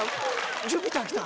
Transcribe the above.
ジュピターきた！